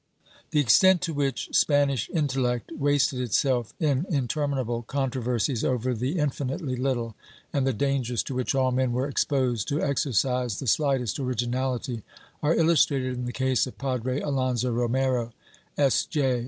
^ The extent to which Spanish intellect wasted itself in inter minable controversies over the infinitely little, and the dangers to which all men were exposed who exercised the slightest originality, are illustrated in the case of Padre Alonso Romero, S. J.